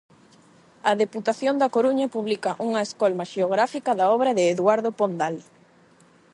A Deputación da Coruña publica unha escolma xeográfica da obra de Eduardo Pondal.